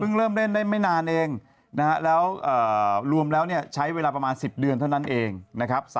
เริ่มเล่นได้ไม่นานเองนะฮะแล้วรวมแล้วใช้เวลาประมาณ๑๐เดือนเท่านั้นเองนะครับ